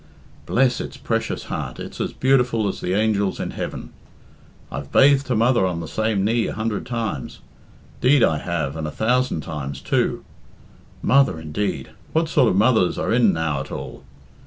"Bless its precious heart, it's as beautiful as the angels in heaven. I've bathed her mother on the same knee a hundred times. 'Deed have I, and a thousand times too. Mother, indeed! What sort of mothers are in now at all?